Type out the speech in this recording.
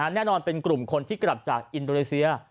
แน่นอนเป็นกลุ่มคนที่กลับจากอินโดนีเซีย